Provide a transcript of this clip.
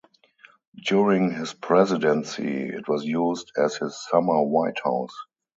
During his presidency, it was used as his Summer White House.